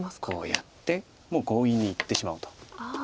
こうやってもう強引にいってしまうと。